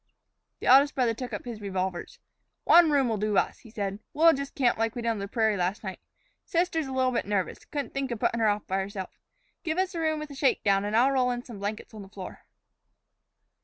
The eldest brother took up his revolvers. "One room'll do us," he said. "We'll jus' camp like we did on the prairie last night. Sister's a little bit nervous; couldn't think of puttin' her off by herself. Give us a room with a shake down, and I'll roll up in some blankets on the floor."